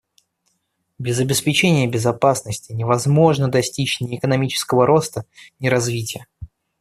Без обеспечения безопасности невозможно достичь ни экономического роста, ни развития.